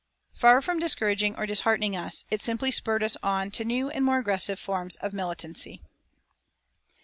Far from discouraging or disheartening us, it simply spurred us on to new and more aggressive forms of militancy.